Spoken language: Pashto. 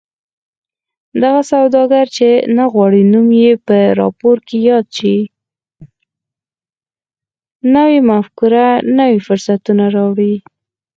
نوې مفکوره نوي فرصتونه راوړي